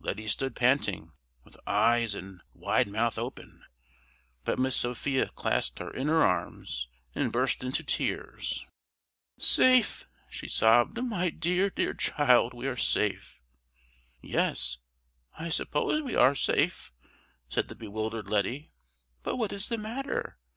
Letty stood panting, with eyes and wide mouth open; but Miss Sophia clasped her in her arms and burst into tears. "Safe!" she sobbed. "My dear, dear child, we are safe!" "Yes, I suppose we are safe," said the bewildered Letty. "But what was the matter?